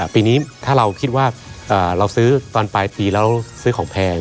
ปีนี้ถ้าเราคิดว่าเราซื้อตอนปลายปีแล้วเราซื้อของแพง